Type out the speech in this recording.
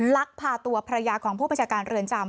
ลักพาตัวภรรยาของผู้บัญชาการเรือนจำ